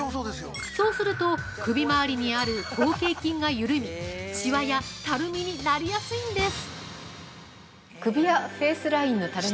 そうすると、首回りにある広頚筋が緩みしわやたるみになりやすいんです。